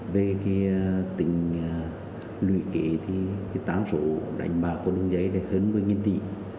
về tỉnh lùi kể tán sổ đánh bạc của đường dây là hơn một mươi tỷ